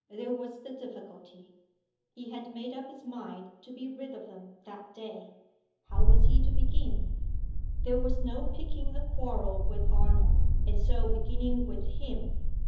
There was the difficulty. He had made up his mind to be rid of them that day. How was he to begin? There was no picking a quarrel with Arnold, and so beginning with _him.